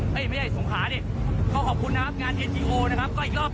เฮ้ยไม่ใช่สงขาสิ